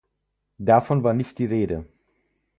Davon war nicht die Rede.